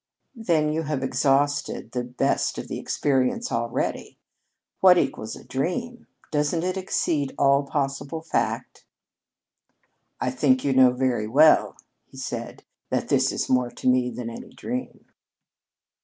"Then you have exhausted the best of the experience already. What equals a dream? Doesn't it exceed all possible fact?" "I think you know very well," he answered, "that this is more to me than any dream."